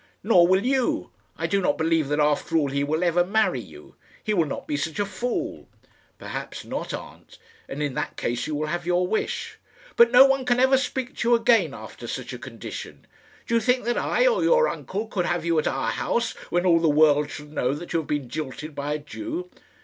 "Nor will you. I do not believe that after all he will ever marry you. He will not be such a fool." "Perhaps not, aunt; and in that case you will have your wish." "But no one can ever speak to you again after such a condition. Do you think that I or your uncle could have you at our house when all the world shall know that you have been jilted by a Jew?"